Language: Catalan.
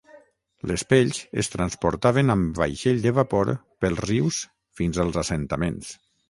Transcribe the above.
Les pells es transportaven amb vaixell de vapor pels rius fins als assentaments.